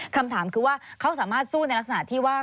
คำถามคือว่าเขาสามารถสู้ในลักษณะที่ว่า